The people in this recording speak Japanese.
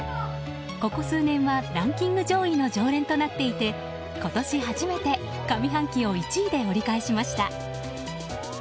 ここ数年はランキング上位の常連となっていて今年初めて上半期を１位で折り返しました。